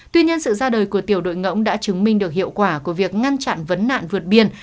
tuy nhiên sự ra đời của tiểu đội ngỗng đã chứng minh được hiệu quả của việc ngăn chặn vấn nạn vượt biên